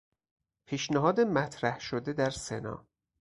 پیشنهاد مطرح شده در سنا